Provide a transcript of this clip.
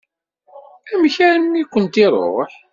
Amek armi i kent-iṛuḥ?